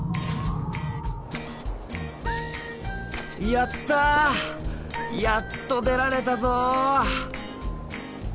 やったやっと出られたぞ！